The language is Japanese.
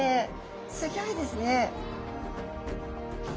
すギョいですね。